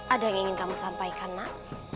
ada yang ingin kamu sampaikan nak